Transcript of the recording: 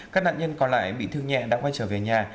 các nạn nhân còn lại bị thương nhẹ đã quay trở về nhà